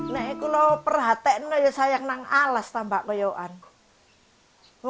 nek kalau perhatian saya nggak alas tambah ke yowanku